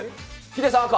ヒデさん、赤。